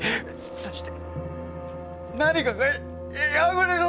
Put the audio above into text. そして何かが破れる音が！